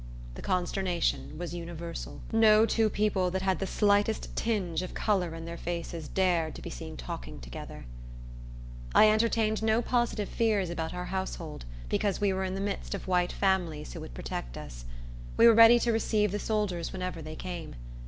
The consternation was universal. No two people that had the slightest tinge of color in their faces dared to be seen talking together. I entertained no positive fears about our household, because we were in the midst of white families who would protect us. We were ready to receive the soldiers whenever they came.